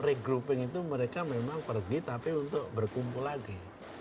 regrouping itu mereka memang pergi tapi untuk berkumpul lagi